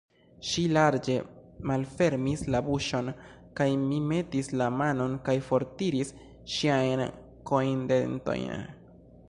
Ŝi larĝe malfermis la buŝon, kaj mi metis la manon kaj fortiris ŝiajn kojndentojn.